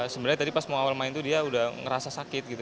sebenarnya tadi pas mau awal main tuh dia udah ngerasa sakit gitu